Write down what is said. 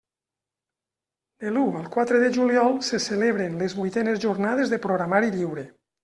De l'u al quatre de juliol se celebren les vuitenes Jornades de Programari Lliure.